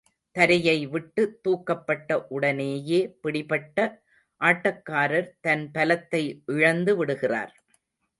தரையை விட்டு தூக்கப்பட்ட உடனேயே பிடிபட்ட ஆட்டக்காரர் தன் பலத்தை இழந்து விடுகிறார்.